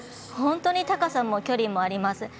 本当に高さも距離もあります。